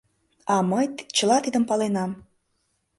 А мый чыла тидым паленам...